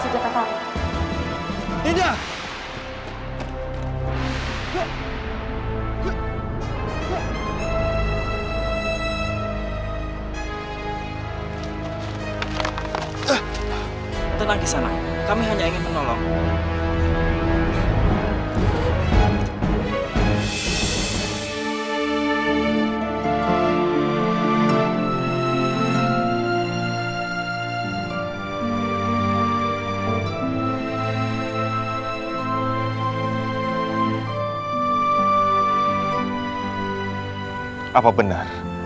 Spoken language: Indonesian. jangan lupa like share dan subscribe ya